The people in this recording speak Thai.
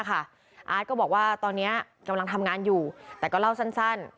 อาร์ตก็บอกว่าตอนนี้กำลังทำงานอยู่แต่ก็เล่าสั้น